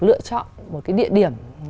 lựa chọn một cái địa điểm